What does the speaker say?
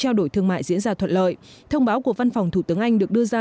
trao đổi thương mại diễn ra thuận lợi thông báo của văn phòng thủ tướng anh được đưa ra